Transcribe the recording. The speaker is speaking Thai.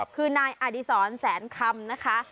คือนายอดีศรแสนคำนะคะ